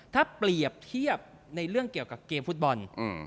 ถ้าเปรียบเทียบในเรื่องเกี่ยวกับเกมฟุตบอล